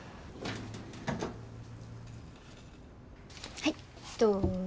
はいどうぞ。